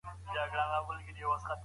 د لاس لیکنه د نورو د قانع کولو یو هنر دی.